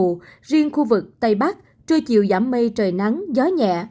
phía tây bắc bộ riêng khu vực tây bắc trưa chiều giảm mây trời nắng gió nhẹ